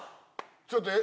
ちょっとええ？